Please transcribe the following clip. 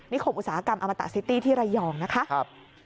คมอุตสาหกรรมอมตะซิตี้ที่ระยองนะคะ